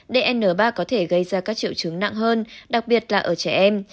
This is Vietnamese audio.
dn ba có thể gây ra các triệu chứng nặng hơn đặc biệt là ở trẻ em